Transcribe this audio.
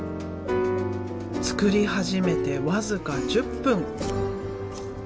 作り始めて僅か１０分。